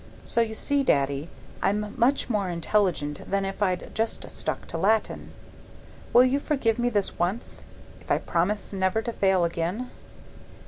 So you see, Daddy, I'm much more intelligent than if I'd just stuck to Latin. Will you forgive me this once if I promise never to fail again?